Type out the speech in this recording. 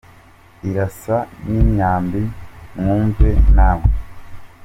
Irasa n'imyambi mwumve na mwe!"